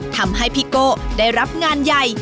ทำให้พี่โก้ได้รับงานใหญ่